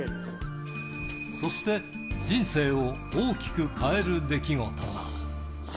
そして、人生を大きく変える出来事が。